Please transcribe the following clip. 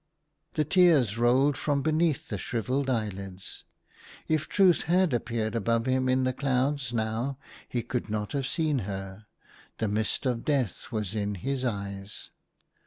The tears rolled from beneath the shrivelled eyelids. If Truth had ap peared above him in the clouds now he could not have seen her, the mist of death was in his eyes.